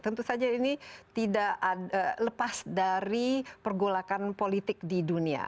tentu saja ini tidak lepas dari pergolakan politik di dunia